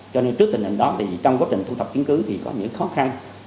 cho nên trước tình hình đó trong quá trình thu thập kiến cứu thì có những khó khăn